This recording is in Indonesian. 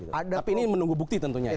tapi ini menunggu bukti tentunya ya